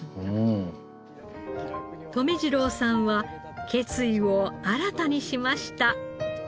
留次郎さんは決意を新たにしました。